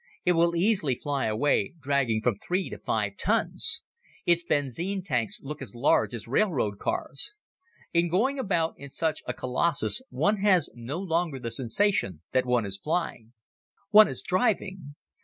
It will easily fly away dragging from three to five tons. Its benzine tanks look as large as railroad cars. In going about in such a colossus one has no longer the sensation that one is flying. One is driving.